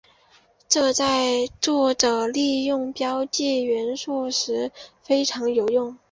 这在作者利用了标记元素时非常有用。